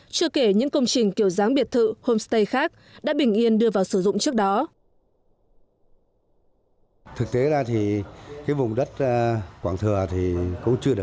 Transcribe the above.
chưa kể những công trình kiểu dáng biệt thự homestay khác đã bình yên đưa vào sử dụng trước đó